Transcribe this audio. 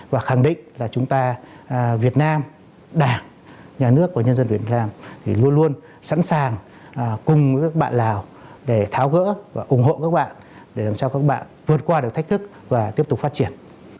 và khẳng định là chúng ta việt nam đảng nhà nước và nhân dân việt nam thì luôn luôn sẵn sàng cùng các bạn lào để tháo gỡ và ủng hộ các bạn để làm sao các bạn vượt qua được thách thức và tiếp tục phát triển